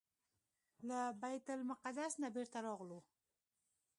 له بیت المقدس نه بیرته راغلو.